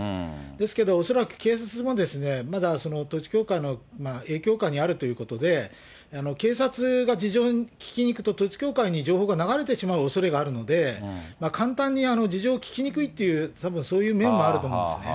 ですけど、恐らく警察もまだ統一教会の影響下にあるということで、警察が事情を聴きに行くと、統一教会に情報が流れてしまうおそれがあるので、簡単に事情を聞きにくいという、たぶん、そういう面もあると思うんですね。